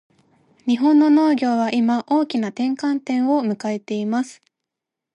日本の農業は今、大きな転換点を迎えています。